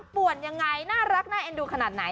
ป่วนยังไงน่ารักน่าเอ็นดูขนาดไหน